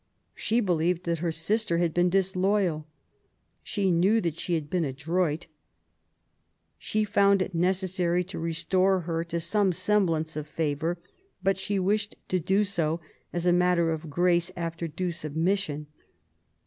She believed that her sister had been disloyal ; she knew that she had been adroit. 3 34 QUEEN ELIZABETH. She found it necessary to restore her to some sem blance of favour, but she wished to do so as a matter of grace after due submission.